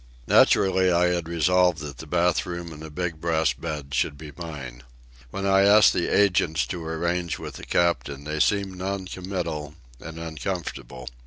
Naturally, I had resolved that the bath room and the big brass bed should be mine. When I asked the agents to arrange with the captain they seemed non committal and uncomfortable.